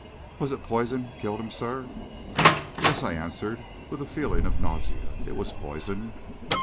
Was it poison killed him, sir?" "Yes," I answered, with a feeling of nausea, "it was poison."